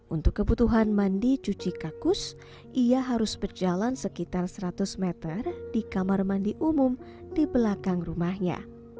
untuk kebutuhan mandi cuci kakus ia harus berjalan sekitar seratus meter di kamar mandi umum di belakang rumahnya